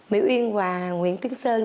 mỹ uyên và nguyễn tiến sơn